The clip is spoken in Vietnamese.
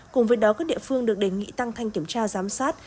cùng với đó các địa phương được đề nghị tăng thanh kiểm tra giám sát